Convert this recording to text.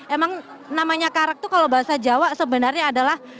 emang namanya karak itu kalau bahasa jawa sebenarnya adalah